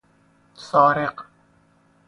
سارق